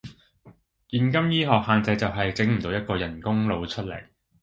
現今醫學限制就係，整唔到一個人工腦出嚟